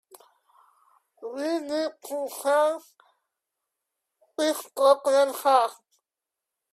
We need to solve this problem fast.